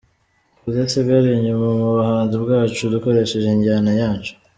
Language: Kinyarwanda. kudasigara inyuma mu buhanzi bwacu, dukoresheje injyana yacu.